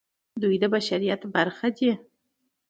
دوی د بشریت برخه دي.